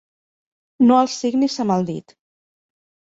No el signis amb el dit.